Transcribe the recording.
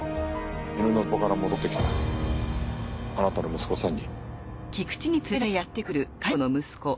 犬の散歩から戻ってきたあなたの息子さんに。